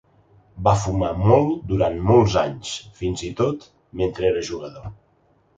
Va fumar molt durant molts anys, fins i tot mentre era jugador.